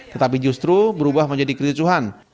tetapi justru berubah menjadi kericuhan